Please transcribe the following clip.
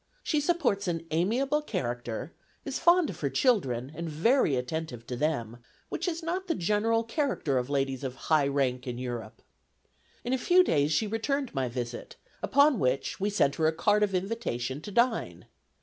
She supports an amiable character, is fond of her children, and very attentive to them, which is not the general character of ladies of high rank in Europe. In a few days, she returned my visit, upon which we sent her a card of invitation to dine.